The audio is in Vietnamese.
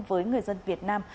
với người dân việt nam